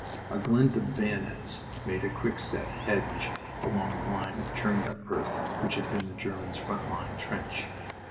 A glint of bayonets made a quickset hedge along the line of churned up earth which had been the Germans' front line trench.